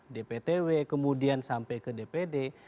dptw kemudian sampai ke dpd